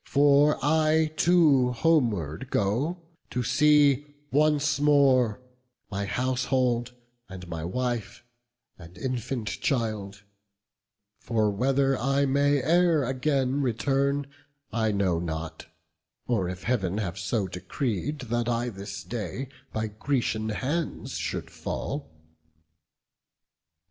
For I too homeward go; to see once more My household, and my wife, and infant child: For whether I may e'er again return, I know not, or if Heav'n have so decreed, That I this day by Grecian hands should fall."